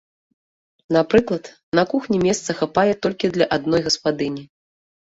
Напрыклад, на кухні месца хапае толькі для адной гаспадыні.